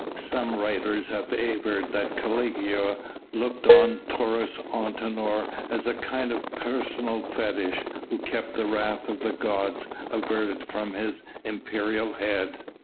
Some writers have averred that Caligula looked on Taurus Antinor as a kind of personal fetish who kept the wrath of the gods averted from his imperial head.